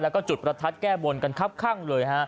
แล้วก็จุดประทัดแก้บนกันครับข้างเลยฮะ